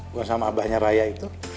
bukan sama abahnya raya itu